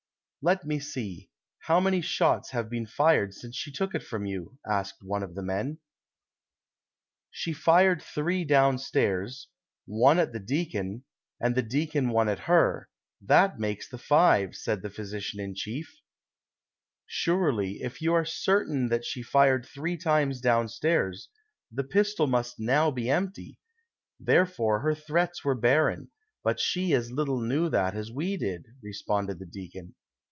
"Let me see ; how many shots have been fired since she took it from you V " asked one of the men. 212 THE SOCIAL WAR OF 1900; OR, " She fired three down stairs, one at the deacon, and the deacon one it her; that makes the five," said the physi cian in cliief. "Surely, if you are certain that she fired three times down stairs, the pistol must now be empty ; therefore her threats were barren, but slie as little knew that as we did," responded the deacon.